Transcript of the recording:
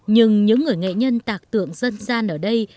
nhưng những người nghệ nhân tạc tượng dân gian ở đây